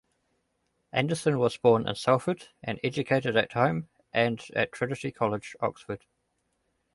Anderson was born in Salford and educated at home and at Trinity College, Oxford.